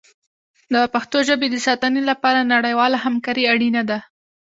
د پښتو ژبې د ساتنې لپاره نړیواله همکاري اړینه ده.